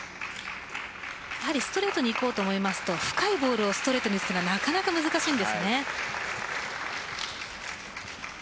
やはりストレートにいこうとすると深いボールをストレートにするのは、なかなか難しいです。